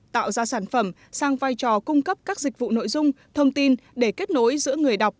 tạo ra sản phẩm sang vai trò cung cấp các dịch vụ nội dung thông tin để kết nối giữa người đọc